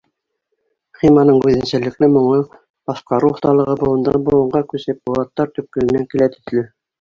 Химаның үҙенсәлекле моңо, башҡарыу оҫталығы быуындан быуынға күсеп, быуаттар төпкөлөнән килә төҫлө.